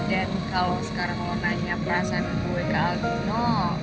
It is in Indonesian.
dan kalau sekarang lo nanya perasaan gue ke aldina